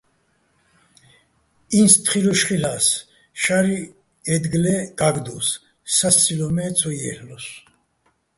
ინც თხილუშ ხილ'ას, შაჲრი̆ აჲდგლე გა́გდოს, სასცილო́ მე ცო ჲა́ლ'ლოსო̆.